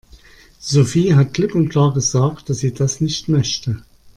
Sophie hat klipp und klar gesagt, dass sie das nicht möchte.